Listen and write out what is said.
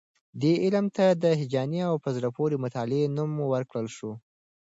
دې علم ته د هیجاني او په زړه پورې مطالعې نوم ورکړل شوی.